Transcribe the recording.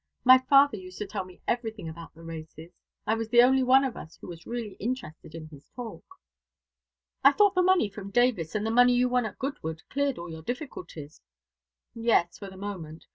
My father used to tell me everything about the races. I was the only one of us who was really interested in his talk." "I thought the money from Davis, and the money you won at Goodwood, cleared all your difficulties." "Yes, for the moment.